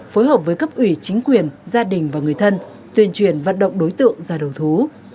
phối hợp với cấp ủy chính quyền gia đình và người thân tuyên truyền vận động đối tượng ra đầu thú